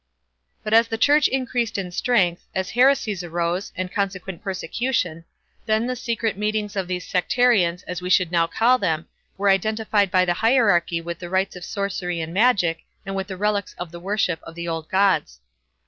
But as the Church increased in strength, as heresies arose, and consequent persecution, then the secret meetings of these sectarians, as we should now call them, were identified by the hierarchy with the rites of sorcery and magic, and with the relics of the worship of the old gods.